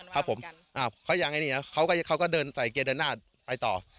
ครับผมเขาอย่างนี้นะเขาก็เดินใส่เกียรติดันหน้าไปต่อ